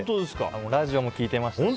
ラジオも聴いてましたし